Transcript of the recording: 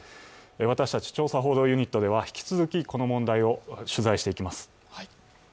私たち調査報道ユニットでは、引き続き、この問題を取材していきます